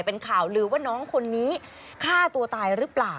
เป็นข่าวลือว่าน้องคนนี้ฆ่าตัวตายหรือเปล่า